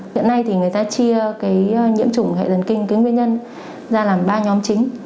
hiện nay người ta chia nhiễm trùng hệ thần kinh nguyên nhân ra làm ba nhóm chính